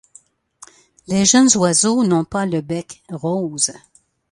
Les jeunes oiseaux n'ont pas le bec rose.